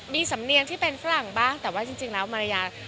มีสำเนียงที่เป็นฝรั่งบ้างแต่ว่าจริงแล้วมารยา